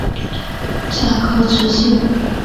甲壳直径。